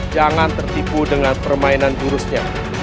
jangan tertipu dengan permainan jurusnya